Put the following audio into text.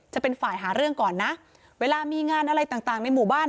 จะเป็นฝ่ายหาเรื่องก่อนนะเวลามีงานอะไรต่างในหมู่บ้าน